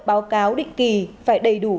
báo cáo định kỳ phải đầy đủ